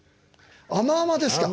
甘々ですか。